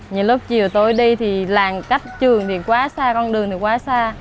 nhiều lúc chiều tối đi thì làng cách trường thì quá xa con đường thì quá xa